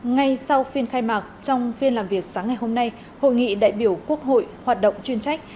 ngay sau phiên khai mạc trong phiên làm việc sáng ngày hôm nay hội nghị đại biểu quốc hội hoạt động chuyên trách